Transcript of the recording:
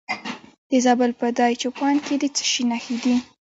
د زابل په دایچوپان کې د څه شي نښې دي؟